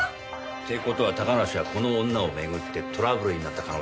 って事は高梨はこの女をめぐってトラブルになった可能性があるな。